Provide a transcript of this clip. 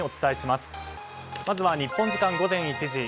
まずは日本時間午前１時。